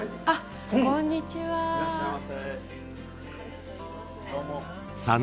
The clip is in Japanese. いらっしゃいませ。